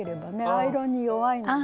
アイロンに弱いので。